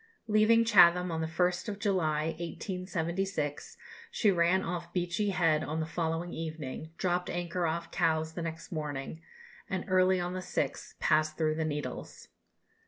Leaving Chatham on the 1st of July, 1876, she ran off Beachy Head on the following evening, dropped anchor off Cowes next morning, and early on the 6th passed through the Needles.